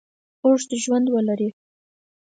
اوږد ژوند ولري.